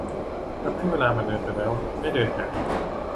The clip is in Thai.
ทำให้เวลามันเดินไปแล้วไม่เดินหาย